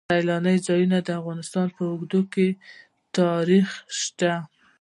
سیلاني ځایونه د افغانستان په اوږده تاریخ کې شته.